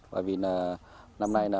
bởi vì năm nay